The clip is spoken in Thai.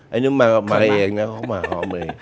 ไอ้นึงมาเองนะเขามาหอมเอง